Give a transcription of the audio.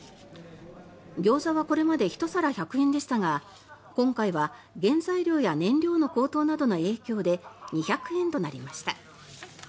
ギョーザはこれまで１皿１００円でしたが今回は原材料や燃料の高騰などの影響で２００円となりました。